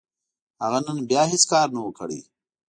هغه نن بيا هيڅ کار نه و، کړی.